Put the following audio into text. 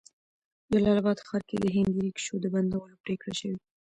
جلال آباد ښار کې د هندي ريکشو د بندولو پريکړه شوې